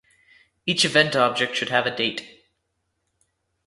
Each event object should have a date